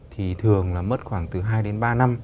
thì thường là mất khoảng từ hai đến ba năm